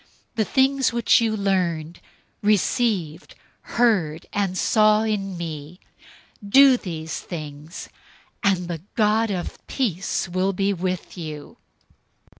004:009 The things which you learned, received, heard, and saw in me: do these things, and the God of peace will be with you.